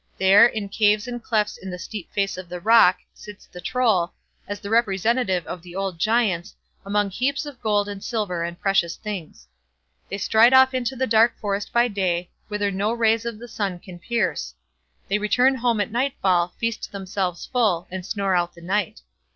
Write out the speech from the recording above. There, in caves and clefts in the steep face of the rock, sits the Troll, as the representative of the old giants, among heaps of gold and silver and precious things. They stride off into the dark forest by day, whither no rays of the sun can pierce; they return home at nightfall, feast themselves full, and snore out the night.